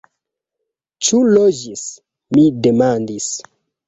Ĉu loĝis? mi demandis.